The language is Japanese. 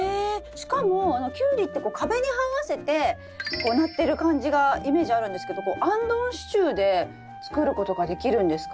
しかもキュウリって壁にはわせてこうなってる感じがイメージあるんですけどあんどん支柱で作ることができるんですか？